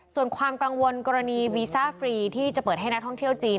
ส่วนความกังวลกรณีวีซ่าฟรีที่จะเปิดให้นักท่องเที่ยวจีน